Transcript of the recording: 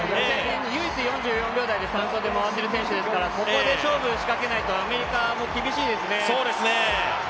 唯一４４秒台で回っている選手ですからここで勝負を仕掛けないと、アメリカ、もう厳しいですね。